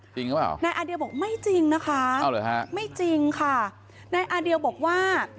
จริงหรือเปล่าอเรนนี่บอกไม่จริงนะคะไม่จริงค่ะนายอเดียวบอกว่า